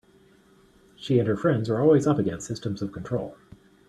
She and her friends are always up against systems of control.